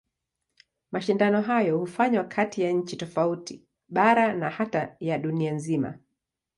Mashindano hayo hufanywa kati ya nchi tofauti, bara na hata ya dunia nzima.